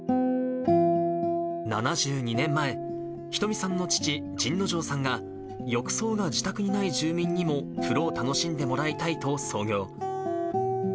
７２年前、ひとみさんの父、甚之丞さんが、浴槽が自宅にない住民にも風呂を楽しんでもらいたいと創業。